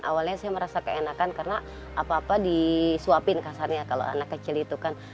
awalnya saya merasa keenakan karena apa apa disuapin kasarnya kalau anak kecil itu kan